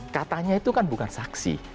katanya itu kan bukan saksi